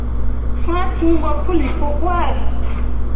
Fãa ciŋ ɓo puli pu wahbe.